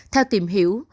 theo tìm hiểu